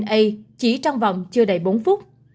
đây chỉ trong vòng chưa đầy bốn phút